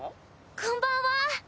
こんばんは。